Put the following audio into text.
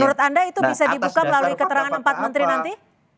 menurut anda itu bisa dibuka melalui keterangan empat menteri nanti